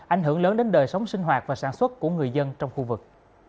ảnh hưởng lớn đến đời sống sinh hoạt và sản xuất của người dân trong khu vực